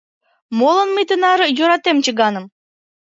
Молан мый тынаре йӧратем чыганым?